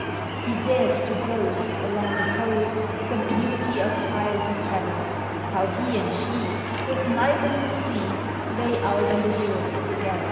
He dares to boast, along the coast, The beauty of Highland Heather, — How he and she, with night on the sea, Lay out on the hills together.